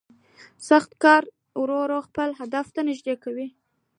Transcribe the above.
سخت کار انسان ورو ورو خپل هدف ته نږدې کوي